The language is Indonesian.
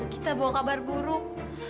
kita bawa kabar buruk